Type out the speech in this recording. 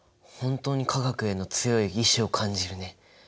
本当に化学への強い意志を感じるね。